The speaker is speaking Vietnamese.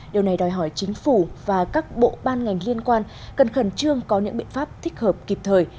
điều này đòi hỏi chính phủ và các bộ ban ngành liên quan cần khẩn trương có những biện pháp thích hợp kịp thời